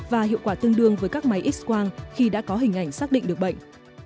và hiệu quả tương đương với các máy x quang khi đã có hình ảnh xác định được bệnh